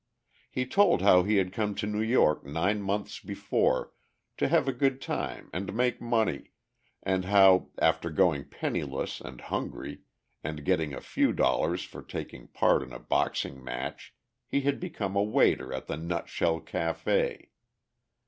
He told how he had come to New York nine months before, to have a good time and make money, and how, after going penniless and hungry, and getting a few dollars for taking part in a boxing match, he had become a waiter at the "Nutshell Café."